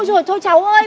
ôi dồi thôi cháu ơi